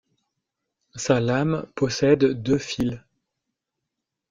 Sa lame possède deux fils.